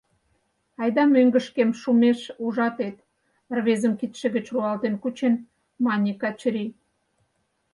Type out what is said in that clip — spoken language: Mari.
Айда, мӧҥгышкем шумеш ужатет, — рвезым кидше гыч руалтен кучен, мане Качырий.